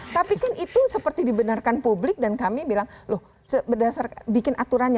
tapi kan itu seperti dibenarkan publik dan kami bilang loh berdasarkan bikin aturannya